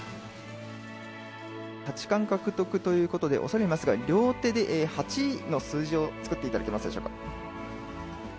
八冠獲得ということで、恐れ入りますが、両手で八の数字を作っていただけますでしょうか。